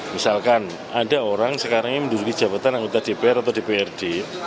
misalkan ada orang sekarang ini menduduki jabatan anggota dpr atau dprd